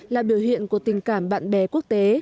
là biểu hiện của tình cảm bạn bè quốc tế